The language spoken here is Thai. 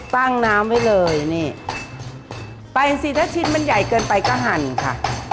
น้ำไว้เลยนี่ไปสิถ้าชิ้นมันใหญ่เกินไปก็หั่นค่ะ